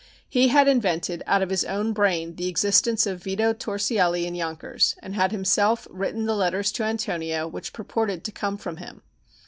He had invented out of his own brain the existence of Vito Torsielli in Yonkers, and had himself written the letters to Antonio which purported to come from him.